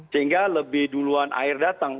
sehingga lebih duluan air datang